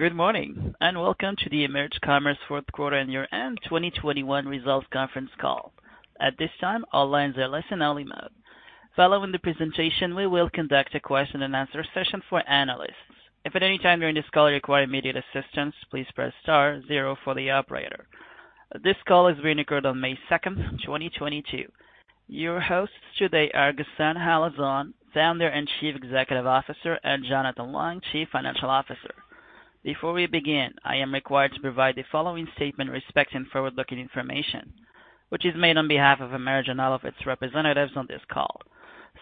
Good morning, and welcome to the EMERGE Commerce fourth quarter and year-end 2021 results conference call. At this time, all lines are listen-only mode. Following the presentation, we will conduct a question-and-answer session for analysts. If at any time during this call you require immediate assistance, please press star zero for the operator. This call is being recorded on May 2nd, 2022. Your hosts today are Ghassan Halazon, Founder and Chief Executive Officer, and Jonathan Leong, Chief Financial Officer. Before we begin, I am required to provide the following statement respecting forward-looking information, which is made on behalf of EMERGE and all of its representatives on this call.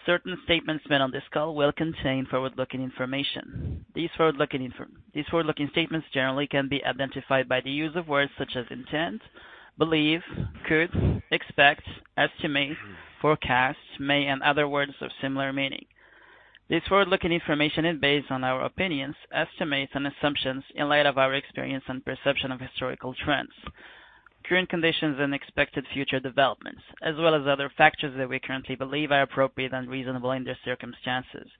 Certain statements made on this call will contain forward-looking information. These forward-looking statements generally can be identified by the use of words such as intent, believe, could, expect, estimate, forecast, may, and other words of similar meaning. This forward-looking information is based on our opinions, estimates and assumptions in light of our experience and perception of historical trends, current conditions and expected future developments, as well as other factors that we currently believe are appropriate and reasonable in their circumstances.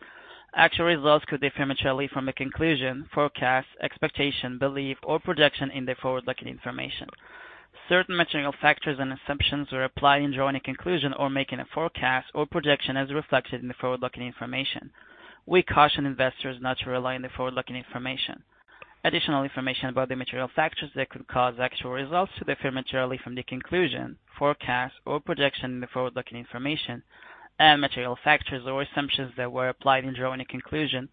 Actual results could differ materially from a conclusion, forecast, expectation, belief, or projection in the forward-looking information. Certain material factors and assumptions were applied in drawing a conclusion or making a forecast or projection as reflected in the forward-looking information. We caution investors not to rely on the forward-looking information. Additional information about the material factors that could cause actual results to differ materially from the conclusion, forecast or projection in the forward-looking information and material factors or assumptions that were applied in drawing a conclusion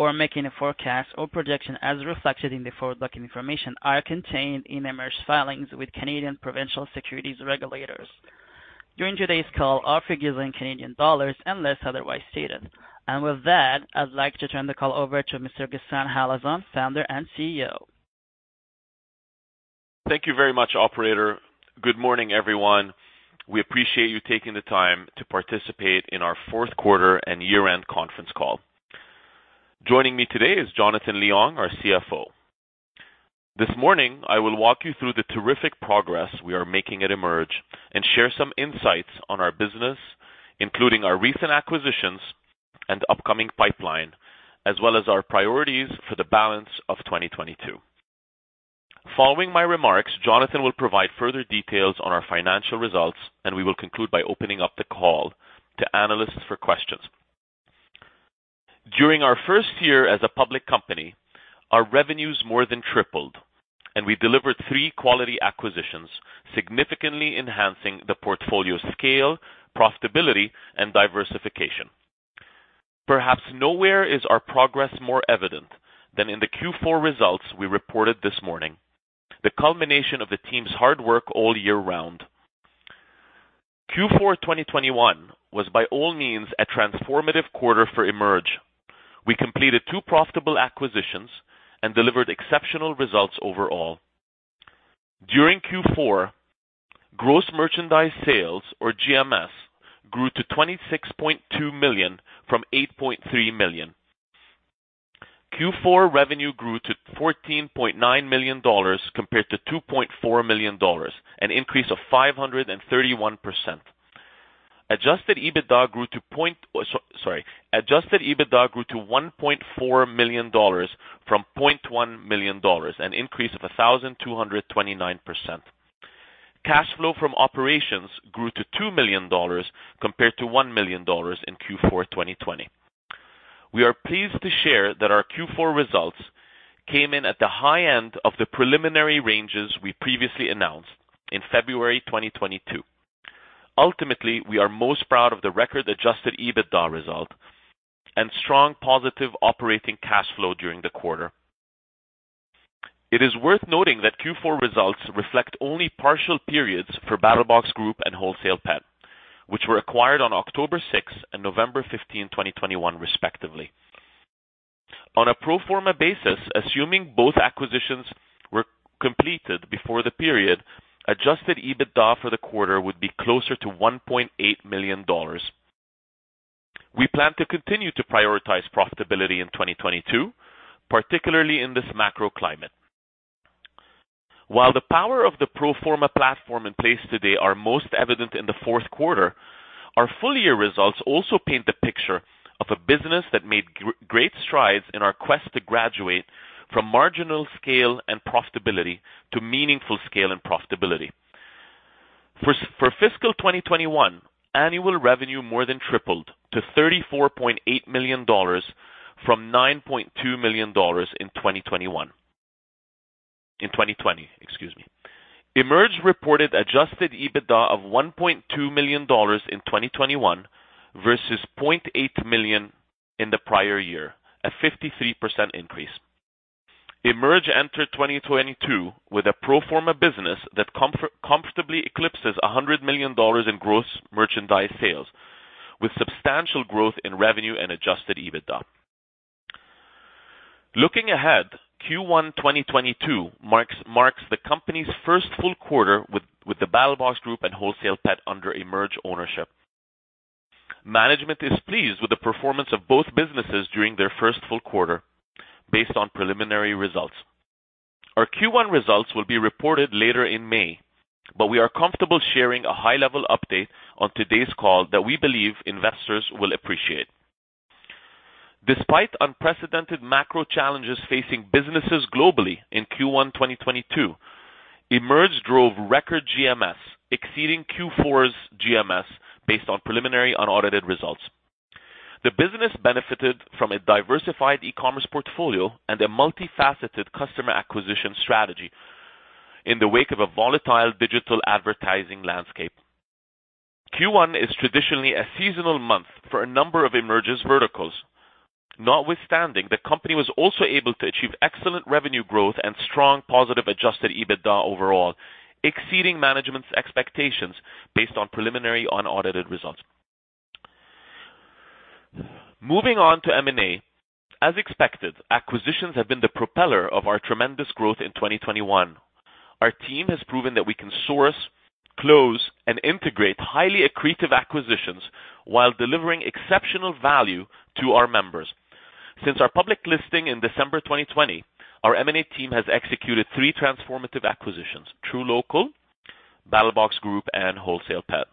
or making a forecast or projection as reflected in the forward-looking information are contained in EMERGE filings with Canadian Securities Administrators. During today's call, all figures are in Canadian dollars unless otherwise stated. With that, I'd like to turn the call over to Mr. Ghassan Halazon, Founder and CEO. Thank you very much, operator. Good morning, everyone. We appreciate you taking the time to participate in our fourth quarter and year-end conference call. Joining me today is Jonathan Leong, our CFO. This morning, I will walk you through the terrific progress we are making at EMERGE and share some insights on our business, including our recent acquisitions and upcoming pipeline, as well as our priorities for the balance of 2022. Following my remarks, Jonathan will provide further details on our financial results, and we will conclude by opening up the call to analysts for questions. During our first year as a public company, our revenues more than tripled, and we delivered three quality acquisitions, significantly enhancing the portfolio scale, profitability, and diversification. Perhaps nowhere is our progress more evident than in the Q4 results we reported this morning, the culmination of the team's hard work all year round. Q4 2021 was by all means a transformative quarter for EMERGE Commerce. We completed two profitable acquisitions and delivered exceptional results overall. During Q4, Gross Merchandise Sales, or GMS, grew to 26.2 million from 8.3 million. Q4 revenue grew to CAD 14.9 million compared to CAD 2.4 million, an increase of 531%. Adjusted EBITDA grew to CAD 1.4 million from CAD 0.1 million, an increase of 1,229%. Cash flow from operations grew to 2 million dollars compared to 1 million dollars in Q4 2020. We are pleased to share that our Q4 results came in at the high end of the preliminary ranges we previously announced in February 2022. Ultimately, we are most proud of the record Adjusted EBITDA result and strong positive operating cash flow during the quarter. It is worth noting that Q4 results reflect only partial periods for BattlBox Group and Wholesale Pet, which were acquired on October 6 and November 15, 2021, respectively. On a pro forma basis, assuming both acquisitions were completed before the period, Adjusted EBITDA for the quarter would be closer to 1.8 million dollars. We plan to continue to prioritize profitability in 2022, particularly in this macro climate. While the power of the pro forma platform in place today are most evident in the fourth quarter, our full year results also paint the picture of a business that made great strides in our quest to graduate from marginal scale and profitability to meaningful scale and profitability. For fiscal 2021 annual revenue more than tripled to 34.8 million dollars from 9.2 million dollars in 2020. EMERGE reported Adjusted EBITDA of 1.2 million dollars in 2021 versus 0.8 million in the prior year, a 53% increase. EMERGE entered 2022 with a pro forma business that comfortably eclipses 100 million dollars in gross merchandise sales, with substantial growth in revenue and Adjusted EBITDA. Looking ahead, Q1 2022 marks the company's first full quarter with the BattlBox Group and Wholesale Pet under EMERGE ownership. Management is pleased with the performance of both businesses during their first full quarter based on preliminary results. Our Q1 results will be reported later in May, but we are comfortable sharing a high-level update on today's call that we believe investors will appreciate. Despite unprecedented macro challenges facing businesses globally in Q1 2022, EMERGE drove record GMS exceeding Q4's GMS based on preliminary unaudited results. The business benefited from a diversified e-commerce portfolio and a multifaceted customer acquisition strategy in the wake of a volatile digital advertising landscape. Q1 is traditionally a seasonal month for a number of EMERGE's verticals. Notwithstanding, the company was also able to achieve excellent revenue growth and strong positive Adjusted EBITDA overall, exceeding management's expectations based on preliminary unaudited results. Moving on to M&A. As expected, acquisitions have been the propeller of our tremendous growth in 2021. Our team has proven that we can source, close, and integrate highly accretive acquisitions while delivering exceptional value to our members. Since our public listing in December 2020, our M&A team has executed three transformative acquisitions: truLOCAL, BattlBox Group, and WholesalePet.com.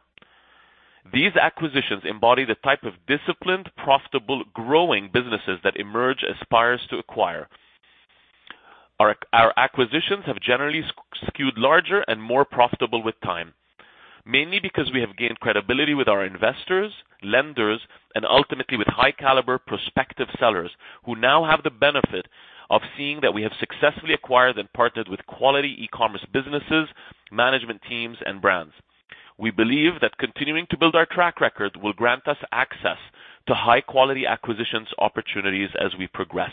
These acquisitions embody the type of disciplined, profitable, growing businesses that EMERGE Commerce aspires to acquire. Our acquisitions have generally skewed larger and more profitable with time, mainly because we have gained credibility with our investors, lenders, and ultimately with high caliber prospective sellers who now have the benefit of seeing that we have successfully acquired and partnered with quality e-commerce businesses, management teams, and brands. We believe that continuing to build our track record will grant us access to high-quality acquisitions opportunities as we progress.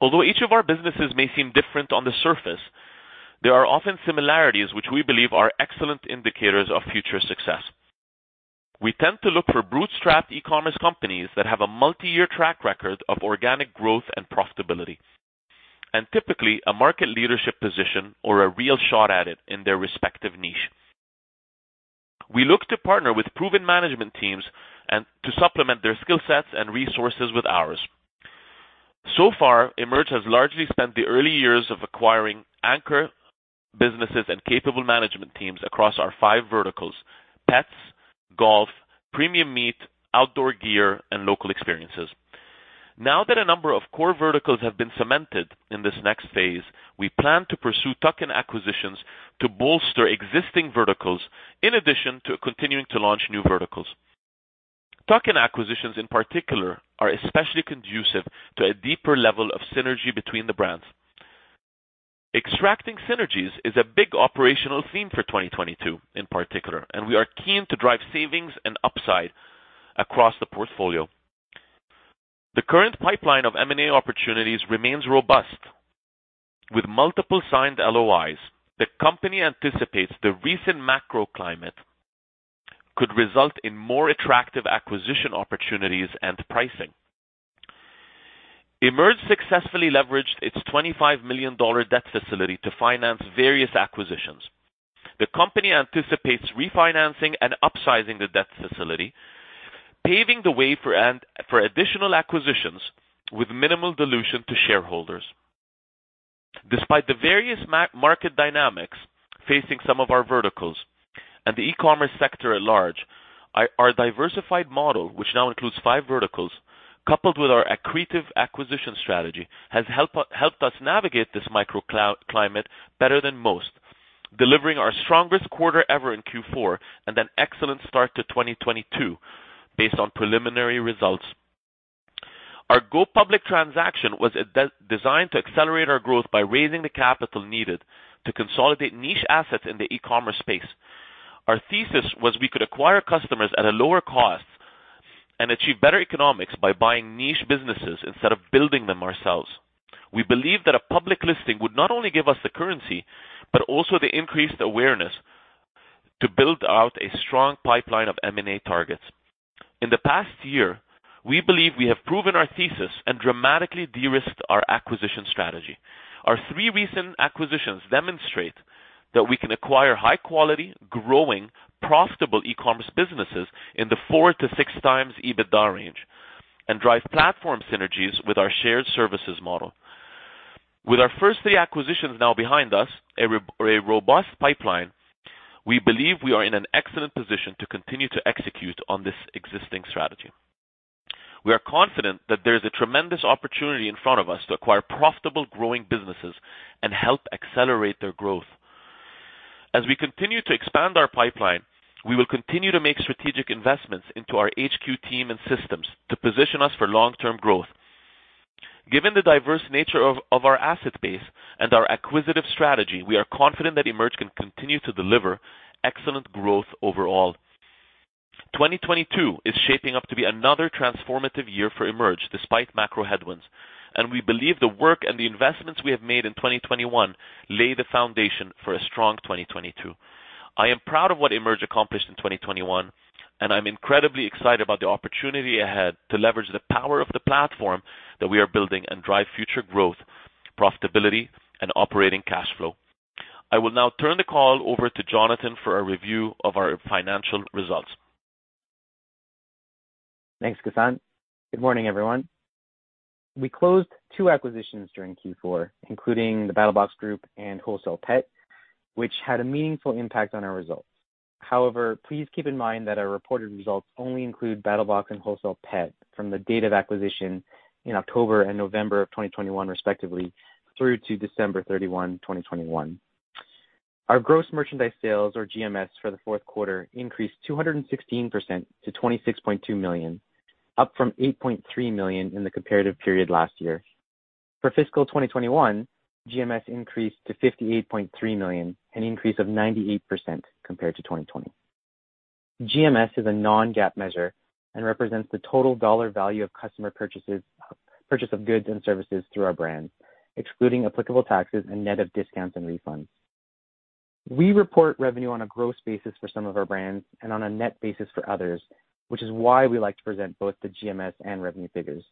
Although each of our businesses may seem different on the surface, there are often similarities which we believe are excellent indicators of future success. We tend to look for bootstrapped e-commerce companies that have a multi-year track record of organic growth and profitability, and typically a market leadership position or a real shot at it in their respective niche. We look to partner with proven management teams and to supplement their skill sets and resources with ours. So far, EMERGE has largely spent the early years of acquiring anchor businesses and capable management teams across our five verticals: pets, golf, premium meat, outdoor gear, and local experiences. Now that a number of core verticals have been cemented in this next phase, we plan to pursue tuck-in acquisitions to bolster existing verticals in addition to continuing to launch new verticals. Tuck-in acquisitions, in particular, are especially conducive to a deeper level of synergy between the brands. Extracting synergies is a big operational theme for 2022, in particular, and we are keen to drive savings and upside across the portfolio. The current pipeline of M&A opportunities remains robust. With multiple signed LOIs, the company anticipates the recent macro climate could result in more attractive acquisition opportunities and pricing. EMERGE successfully leveraged its 25 million dollar debt facility to finance various acquisitions. The company anticipates refinancing and upsizing the debt facility, paving the way for additional acquisitions with minimal dilution to shareholders. Despite the various market dynamics facing some of our verticals and the e-commerce sector at large, our diversified model, which now includes five verticals, coupled with our accretive acquisition strategy, has helped us navigate this macroeconomic climate better than most, delivering our strongest quarter ever in Q4 and an excellent start to 2022 based on preliminary results. Our go-public transaction was designed to accelerate our growth by raising the capital needed to consolidate niche assets in the e-commerce space. Our thesis was we could acquire customers at a lower cost and achieve better economics by buying niche businesses instead of building them ourselves. We believe that a public listing would not only give us the currency, but also the increased awareness to build out a strong pipeline of M&A targets. In the past year, we believe we have proven our thesis and dramatically de-risked our acquisition strategy. Our three recent acquisitions demonstrate that we can acquire high quality, growing, profitable e-commerce businesses in the 4 times -six times EBITDA range and drive platform synergies with our shared services model. With our first three acquisitions now behind us, a robust pipeline, we believe we are in an excellent position to continue to execute on this existing strategy. We are confident that there is a tremendous opportunity in front of us to acquire profitable, growing businesses and help accelerate their growth. As we continue to expand our pipeline, we will continue to make strategic investments into our HQ team and systems to position us for long-term growth. Given the diverse nature of our asset base and our acquisitive strategy, we are confident that EMERGE can continue to deliver excellent growth overall. 2022 is shaping up to be another transformative year for EMERGE despite macro headwinds, and we believe the work and the investments we have made in 2021 lay the foundation for a strong 2022. I am proud of what EMERGE accomplished in 2021, and I'm incredibly excited about the opportunity ahead to leverage the power of the platform that we are building and drive future growth, profitability, and operating cash flow. I will now turn the call over to Jonathan for a review of our financial results. Thanks, Ghassan. Good morning, everyone. We closed two acquisitions during Q4, including the BattlBox Group and Wholesale Pet, which had a meaningful impact on our results. However, please keep in mind that our reported results only include BattlBox Group and Wholesale Pet from the date of acquisition in October and November 2021, respectively, through to December 31, 2021. Our gross merchandise sales, or GMS, for the fourth quarter increased 216% to 26.2 million, up from 8.3 million in the comparative period last year. For fiscal 2021, GMS increased to 58.3 million, an increase of 98% compared to 2020. GMS is a non-GAAP measure and represents the total dollar value of customer purchases of goods and services through our brands, excluding applicable taxes and net of discounts and refunds. We report revenue on a gross basis for some of our brands and on a net basis for others, which is why we like to present both the GMS and revenue figures.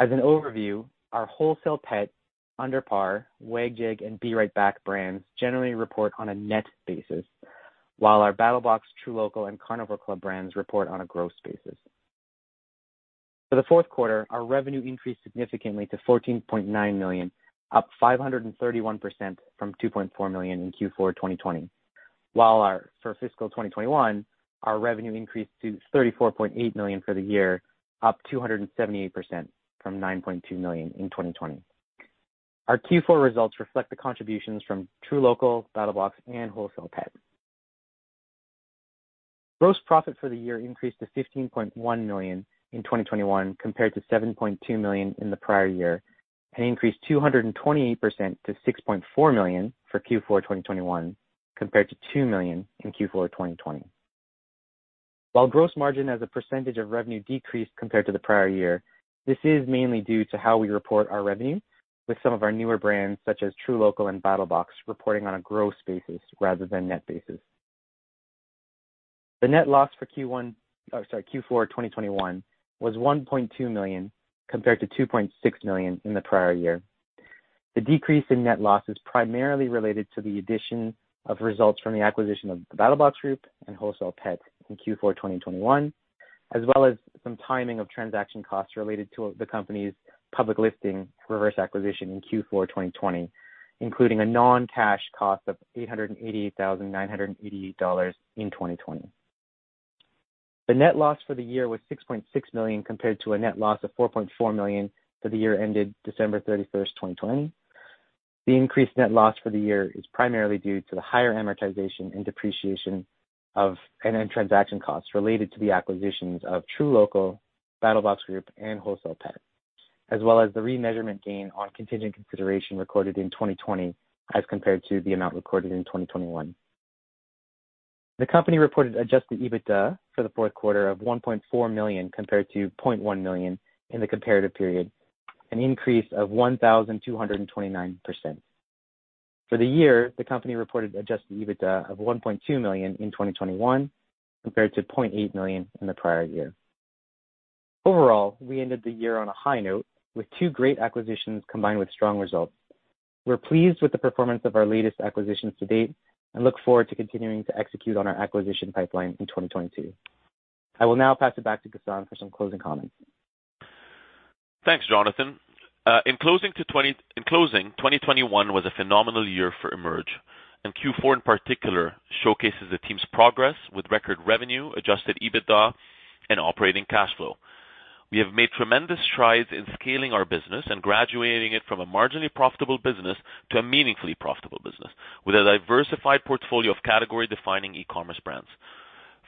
As an overview, our Wholesale Pet, UnderPar, WagJag, and BeRightBack brands generally report on a net basis, while our BattlBox, truLOCAL, and Carnivore Club brands report on a gross basis. For the fourth quarter, our revenue increased significantly to 14.9 million, up 531% from 2.4 million in Q4 2020. For fiscal 2021, our revenue increased to 34.8 million for the year, up 278% from 9.2 million in 2020. Our Q4 results reflect the contributions from truLOCAL, BattlBox, and Wholesale Pet. Gross profit for the year increased to 15.1 million in 2021 compared to 7.2 million in the prior year, and increased 228% to 6.4 million for Q4 2021 compared to 2 million in Q4 2020. While gross margin as a percentage of revenue decreased compared to the prior year, this is mainly due to how we report our revenue with some of our newer brands, such as truLOCAL and BattlBox, reporting on a gross basis rather than net basis. The net loss for Q4 2021 was 1.2 million compared to 2.6 million in the prior year. The decrease in net loss is primarily related to the addition of results from the acquisition of the BattlBox Group and Wholesale Pet in Q4 2021, as well as some timing of transaction costs related to the company's public listing reverse acquisition in Q4 2020, including a non-cash cost of $888,988 in 2020. The net loss for the year was 6.6 million compared to a net loss of 4.4 million for the year ended December 31st, 2020. The increased net loss for the year is primarily due to the higher amortization and depreciation and then transaction costs related to the acquisitions of truLOCAL, BattlBox Group, and WholesalePet.com, as well as the remeasurement gain on contingent consideration recorded in 2020 as compared to the amount recorded in 2021. The company reported Adjusted EBITDA for the fourth quarter of 1.4 million compared to 0.1 million in the comparative period, an increase of 1,229%. For the year, the company reported Adjusted EBITDA of 1.2 million in 2021 compared to 0.8 million in the prior year. Overall, we ended the year on a high note with two great acquisitions combined with strong results. We're pleased with the performance of our latest acquisitions to date and look forward to continuing to execute on our acquisition pipeline in 2022. I will now pass it back to Ghassan for some closing comments. Thanks, Jonathan. In closing, 2021 was a phenomenal year for EMERGE, and Q4 in particular showcases the team's progress with record revenue, Adjusted EBITDA, and operating cash flow. We have made tremendous strides in scaling our business and graduating it from a marginally profitable business to a meaningfully profitable business with a diversified portfolio of category-defining e-commerce brands.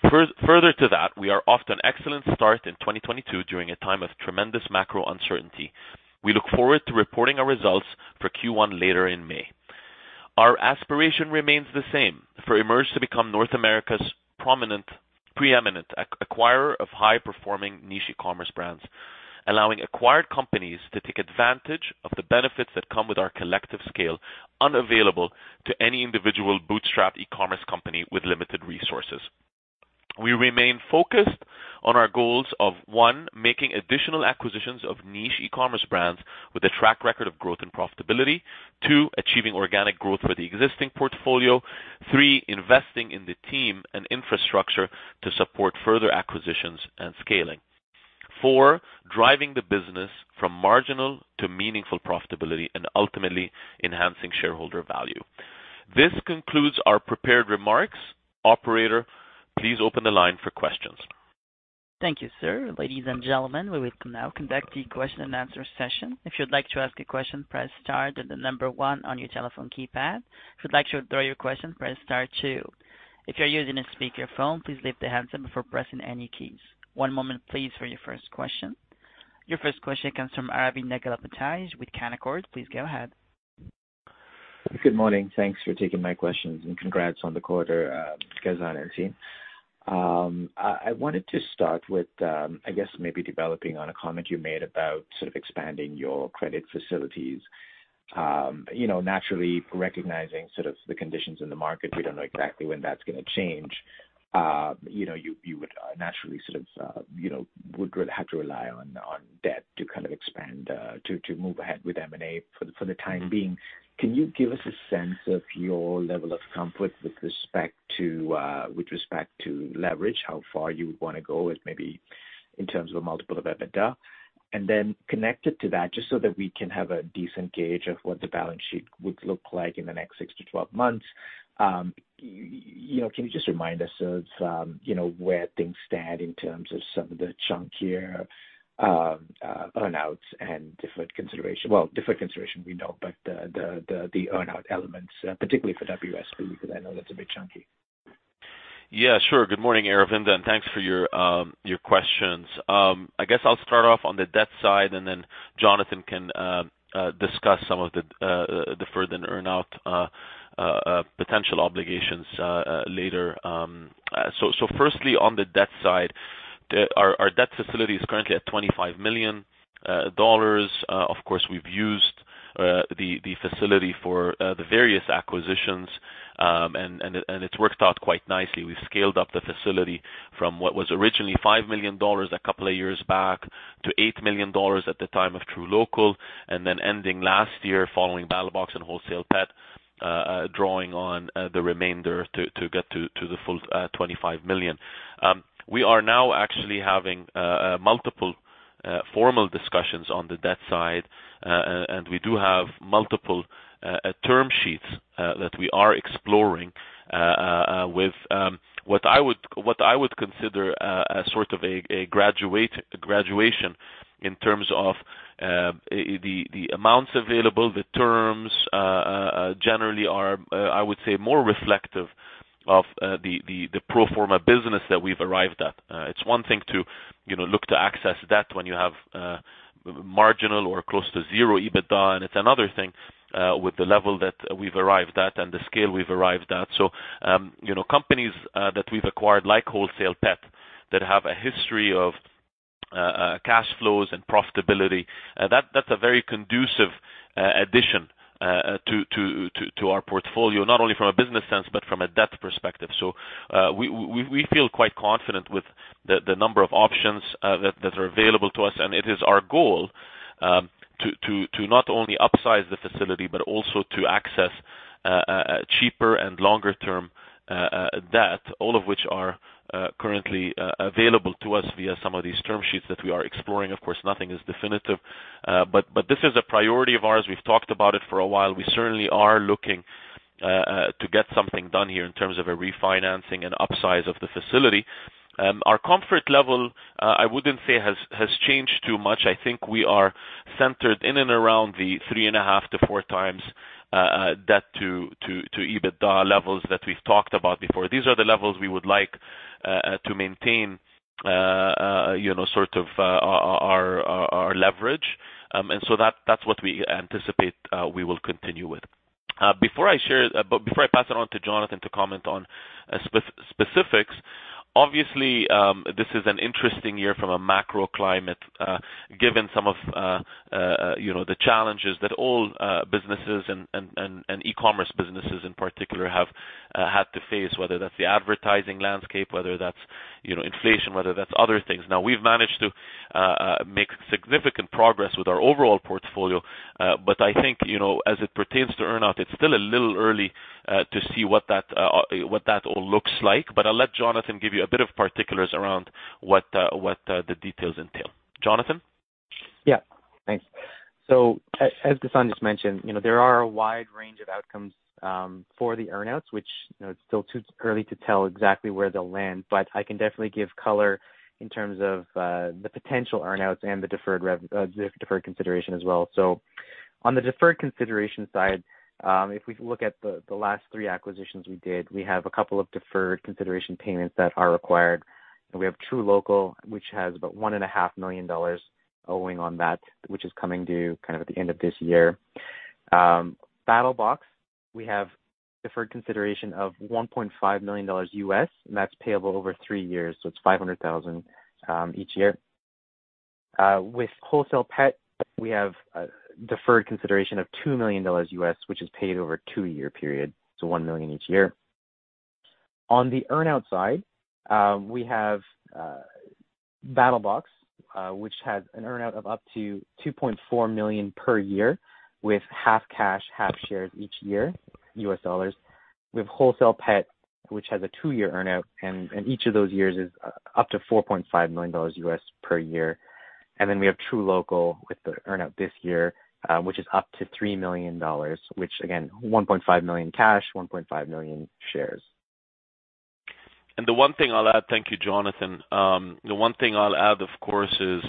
Further to that, we are off to an excellent start in 2022 during a time of tremendous macro uncertainty. We look forward to reporting our results for Q1 later in May. Our aspiration remains the same, for EMERGE to become North America's preeminent acquirer of high-performing niche e-commerce brands, allowing acquired companies to take advantage of the benefits that come with our collective scale, unavailable to any individual bootstrap e-commerce company with limited resources. We remain focused on our goals of, one, making additional acquisitions of niche e-commerce brands with a track record of growth and profitability. Two, achieving organic growth for the existing portfolio. Three, investing in the team and infrastructure to support further acquisitions and scaling. Four, driving the business from marginal to meaningful profitability and ultimately enhancing shareholder value. This concludes our prepared remarks. Operator, please open the line for questions. Thank you, sir. Ladies and gentlemen, we will now conduct the question and answer session. If you'd like to ask a question, press star, then the number one on your telephone keypad. If you'd like to withdraw your question, press star two. If you're using a speakerphone, please lift the handset before pressing any keys. One moment please for your first question. Your first question comes from Aravinda Galappatthige with Canaccord Genuity. Please go ahead. Good morning. Thanks for taking my questions, and congrats on the quarter, Ghassan and team. I wanted to start with, I guess maybe developing on a comment you made about sort of expanding your credit facilities. You know, naturally recognizing sort of the conditions in the market, we don't know exactly when that's gonna change. You know, you would naturally sort of, you know, would really have to rely on debt to kind of expand, to move ahead with M&A for the time being. Can you give us a sense of your level of comfort with respect to leverage, how far you would wanna go with maybe in terms of a multiple of EBITDA? Connected to that, just so that we can have a decent gauge of what the balance sheet would look like in the next six-12 months, you know, can you just remind us of, you know, where things stand in terms of some of the chunkier earn-outs and different consideration? Well, different consideration we know, but the earn-out elements, particularly for Wholesale Pet, because I know that's a bit chunky. Yeah, sure. Good morning, Aravinda, and thanks for your questions. I guess I'll start off on the debt side, and then Jonathan can discuss some of the further earn-out potential obligations later. Firstly, on the debt side, our debt facility is currently at 25 million dollars. Of course, we've used the facility for the various acquisitions, and it's worked out quite nicely. We've scaled up the facility from what was originally 5 million dollars a couple of years back to 8 million dollars at the time of truLOCAL, and then ending last year following BattlBox and Wholesale Pet, drawing on the remainder to get to the full 25 million. We are now actually having multiple formal discussions on the debt side. We do have multiple term sheets that we are exploring with what I would consider a sort of a graduation in terms of the amounts available. The terms generally are, I would say, more reflective of the pro forma business that we've arrived at. It's one thing to, you know, look to access debt when you have marginal or close to zero EBITDA, and it's another thing with the level that we've arrived at and the scale we've arrived at. You know, companies that we've acquired, like Wholesale Pet, that have a history of cash flows and profitability, that's a very conducive addition to our portfolio, not only from a business sense, but from a debt perspective. We feel quite confident with the number of options that are available to us. It is our goal to not only upsize the facility but also to access a cheaper and longer-term debt, all of which are currently available to us via some of these term sheets that we are exploring. Of course, nothing is definitive. This is a priority of ours. We've talked about it for a while. We certainly are looking to get something done here in terms of a refinancing and upsize of the facility. Our comfort level, I wouldn't say, has changed too much. I think we are centered in and around the 3.5 times-4 times debt to EBITDA levels that we've talked about before. These are the levels we would like to maintain, you know, sort of our leverage. That's what we anticipate we will continue with. Before I pass it on to Jonathan to comment on specifics, obviously, this is an interesting year from a macro climate, given some of you know, the challenges that all businesses and e-commerce businesses in particular have had to face, whether that's the advertising landscape, whether that's you know, inflation, whether that's other things. Now, we've managed to make significant progress with our overall portfolio. I think you know, as it pertains to earn-out, it's still a little early to see what that all looks like. I'll let Jonathan give you a bit of particulars around what the details entail. Jonathan? Yeah. Thanks. As Ghassan just mentioned, you know, there are a wide range of outcomes for the earn-outs, which, you know, it's still too early to tell exactly where they'll land. I can definitely give color in terms of the potential earn-outs and the deferred consideration as well. On the deferred consideration side, if we look at the last three acquisitions we did, we have a couple of deferred consideration payments that are required. We have truLOCAL, which has about 1.5 million dollars owing on that, which is coming due kind of at the end of this year. BattlBox, we have deferred consideration of $1.5 million, and that's payable over three years, so it's $500,000 each year. With Wholesale Pet, we have a deferred consideration of $2 million, which is paid over a two-year period, so $1 million each year. On the earn-out side, we have BattlBox, which has an earn-out of up to $2.4 million per year, with half cash, half shares each year, US dollars. With Wholesale Pet, which has a two-year earn-out, and each of those years is up to $4.5 million per year. Then we have truLOCAL with the earn-out this year, which is up to 3 million dollars, which again, 1.5 million cash, 1.5 million shares. Thank you, Jonathan. The one thing I'll add, of course, is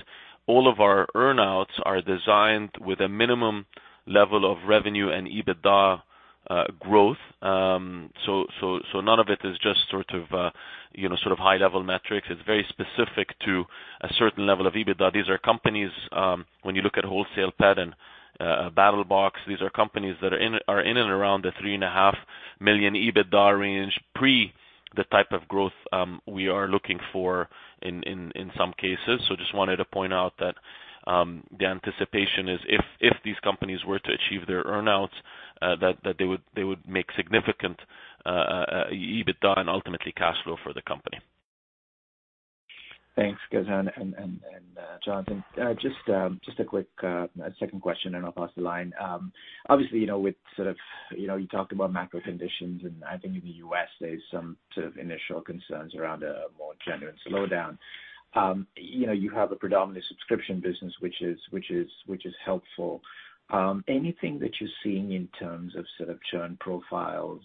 all of our earn-outs are designed with a minimum level of revenue and EBITDA growth. So none of it is just sort of, you know, sort of high-level metrics. It's very specific to a certain level of EBITDA. These are companies, when you look at Wholesale Pet and BattlBox, these are companies that are in and around the 3.5 million EBITDA range pre the type of growth we are looking for in some cases. Just wanted to point out that the anticipation is if these companies were to achieve their earn-outs, that they would make significant EBITDA and ultimately cash flow for the company. Thanks, Ghassan and Jonathan. Just a quick second question, and I'll pass the line. Obviously, you know, with sort of, you know, you talked about macro conditions, and I think in the U.S. there's some sort of initial concerns around. Genuine slowdown. You know, you have a predominantly subscription business, which is helpful. Anything that you're seeing in terms of sort of churn profiles,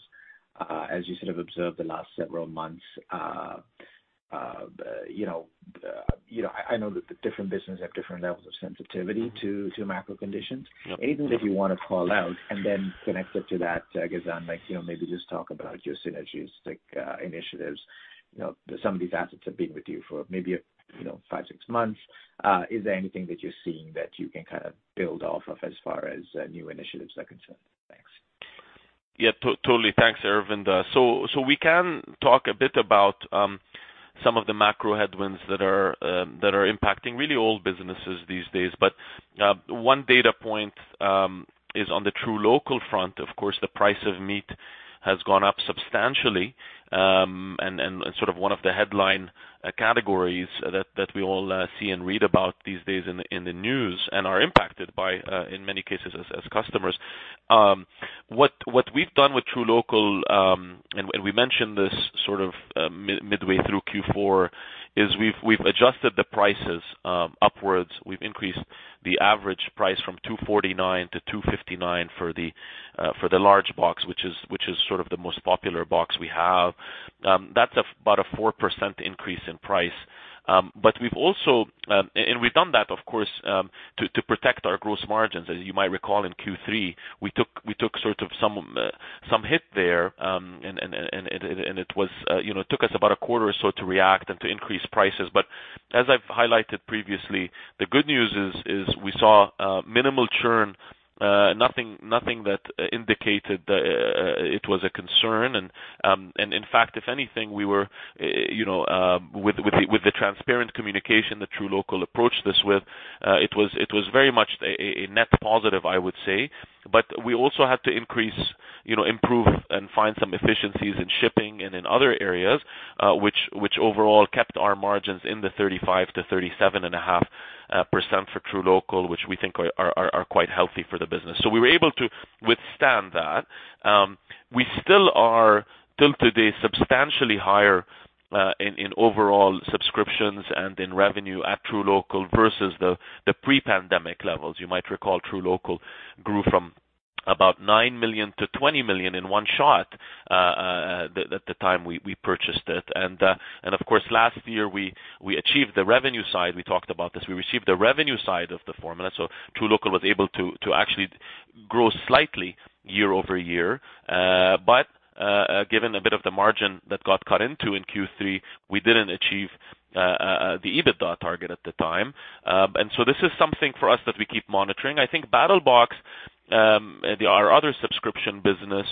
as you sort of observed the last several months, you know, I know that the different businesses have different levels of sensitivity to macro conditions. Yeah. Anything that you wanna call out. Connected to that, Ghassan, like, you know, maybe just talk about your synergies, like, initiatives. You know, some of these assets have been with you for maybe, you know, five, six months. Is there anything that you're seeing that you can kinda build off of as far as, new initiatives are concerned? Thanks. Yeah. Totally. Thanks, Aravinda. We can talk a bit about some of the macro headwinds that are impacting really all businesses these days. One data point is on the truLOCAL front. Of course, the price of meat has gone up substantially, and sort of one of the headline categories that we all see and read about these days in the news and are impacted by in many cases as customers. What we've done with truLOCAL, and we mentioned this sort of midway through Q4, is we've adjusted the prices upwards. We've increased the average price from 249 to 259 for the large box, which is sort of the most popular box we have. That's about a 4% increase in price. We've done that, of course, to protect our gross margins. As you might recall, in Q3, we took sort of some hit there, and it was you know, it took us about a quarter or so to react and to increase prices. As I've highlighted previously, the good news is we saw minimal churn. Nothing that indicated that it was a concern. In fact, if anything, we were, you know, with the transparent communication that truLOCAL approached this with, it was very much a net positive, I would say. We also had to increase, you know, improve and find some efficiencies in shipping and in other areas, which overall kept our margins in the 35%-37.5% for truLOCAL, which we think are quite healthy for the business. We were able to withstand that. We still are, till today, substantially higher in overall subscriptions and in revenue at truLOCAL versus the pre-pandemic levels. You might recall truLOCAL grew from about 9 million to 20 million in one shot, at the time we purchased it. Of course, last year we achieved the revenue side. We talked about this. We received the revenue side of the formula, so truLOCAL was able to actually grow slightly year-over-year. Given a bit of the margin that got cut into in Q3, we didn't achieve the EBITDA target at the time. This is something for us that we keep monitoring. I think BattlBox, our other subscription business,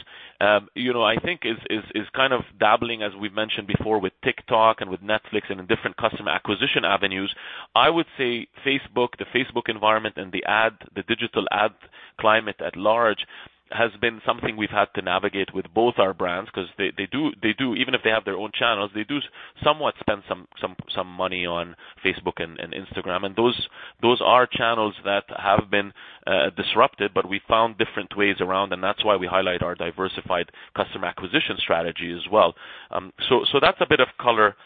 you know, I think is kind of dabbling, as we've mentioned before, with TikTok and with Netflix and in different customer acquisition avenues. I would say Facebook, the Facebook environment and the ad, the digital ad climate at large, has been something we've had to navigate with both our brands 'cause they do. Even if they have their own channels, they do somewhat spend some money on Facebook and Instagram. Those are channels that have been disrupted, but we found different ways around, and that's why we highlight our diversified customer acquisition strategy as well. That's a bit of color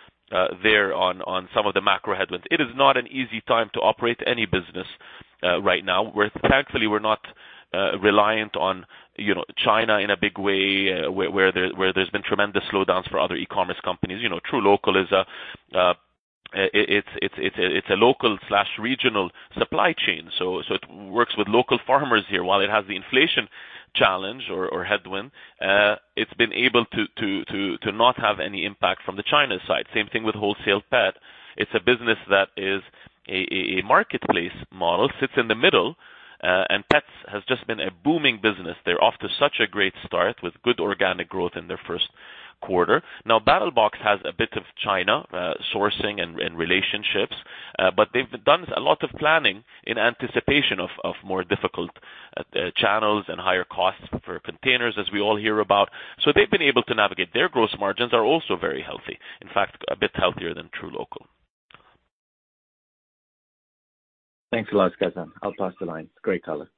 there on some of the macro headwinds. It is not an easy time to operate any business right now, where thankfully we're not reliant on, you know, China in a big way, where there's been tremendous slowdowns for other e-commerce companies. You know, truLOCAL is, it's a local slash regional supply chain, so it works with local farmers here. While it has the inflation challenge or headwind, it's been able to not have any impact from the China side. Same thing with WholesalePet. It's a business that is a marketplace model, sits in the middle. WholesalePet.com has just been a booming business. They're off to such a great start with good organic growth in their first quarter. Now, BattlBox has a bit of China sourcing and relationships, but they've done a lot of planning in anticipation of more difficult channels and higher costs for containers, as we all hear about. They've been able to navigate. Their gross margins are also very healthy, in fact, a bit healthier than truLOCAL. Thanks a lot, Ghassan. I'll pass the line. Great color.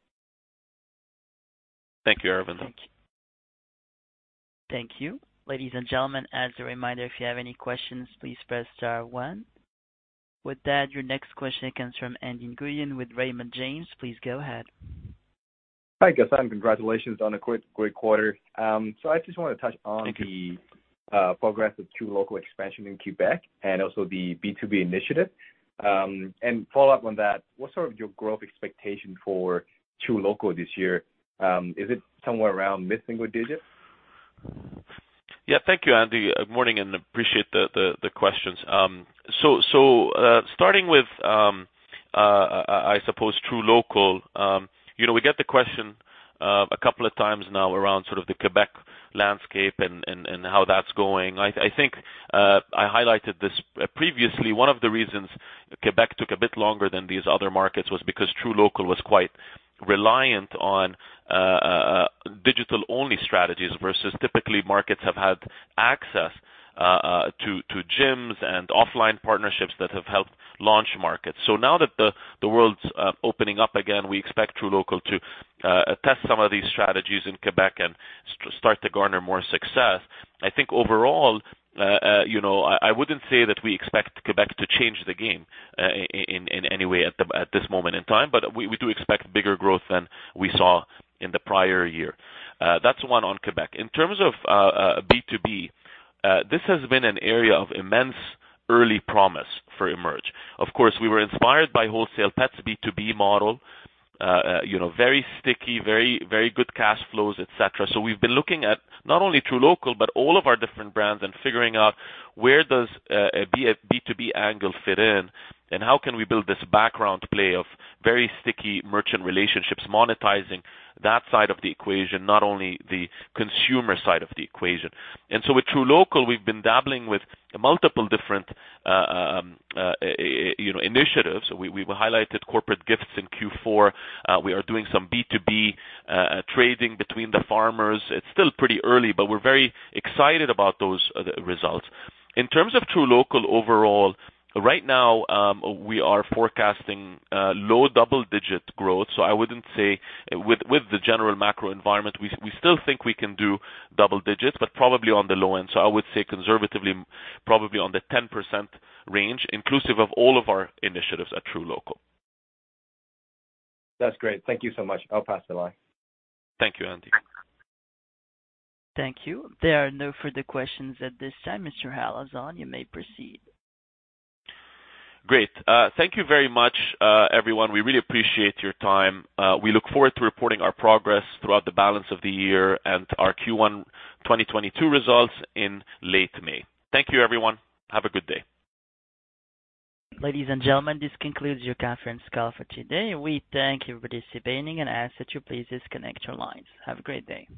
Thank you, Aravinda. Thank you. Thank you. Ladies and gentlemen, as a reminder, if you have any questions, please press star one. With that, your next question comes from Andy Nguyen with Raymond James. Please go ahead. Hi, Ghassan. Congratulations on a great quarter. I just wanna touch on- Thank you. the progress with truLOCAL expansion in Quebec and also the B2B initiative. Follow up on that, what's sort of your growth expectation for truLOCAL this year? Is it somewhere around mid-single digit? Yeah. Thank you, Andy. Morning, and appreciate the questions. Starting with, I suppose truLOCAL, you know, we get the question a couple of times now around sort of the Quebec landscape and how that's going. I think I highlighted this previously. One of the reasons Quebec took a bit longer than these other markets was because truLOCAL was quite reliant on digital-only strategies versus typically markets have had access to gyms and offline partnerships that have helped launch markets. Now that the world's opening up again, we expect truLOCAL to test some of these strategies in Quebec and start to garner more success. I think overall, you know, I wouldn't say that we expect Quebec to change the game in any way at this moment in time, but we do expect bigger growth than we saw in the prior year. That's one on Quebec. In terms of B2B, this has been an area of immense early promise for EMERGE. Of course, we were inspired by Wholesale Pet B2B model, you know, very sticky, very good cash flows, et cetera. We've been looking at not only truLOCAL, but all of our different brands and figuring out where does a B2B angle fit in, and how can we build this background play of very sticky merchant relationships, monetizing that side of the equation, not only the consumer side of the equation. With truLOCAL, we've been dabbling with multiple different you know initiatives. We highlighted corporate gifts in Q4. We are doing some B2B trading between the farmers. It's still pretty early, but we're very excited about those results. In terms of truLOCAL overall, right now, we are forecasting low double-digit growth. I wouldn't say with the general macro environment, we still think we can do double digits, but probably on the low end. I would say conservatively, probably on the 10% range, inclusive of all of our initiatives at truLOCAL. That's great. Thank you so much. I'll pass the line. Thank you, Andy. Thank you. There are no further questions at this time, Mr. Halazon. You may proceed. Great. Thank you very much, everyone. We really appreciate your time. We look forward to reporting our progress throughout the balance of the year and our Q1 2022 results in late May. Thank you, everyone. Have a good day. Ladies and gentlemen, this concludes your conference call for today. We thank you for participating and ask that you please disconnect your lines. Have a great day.